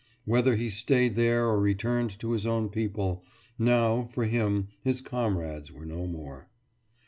Whether he stayed there or returned to his own people ... now, for him, his comrades were no more.